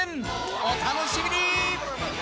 ［お楽しみに！］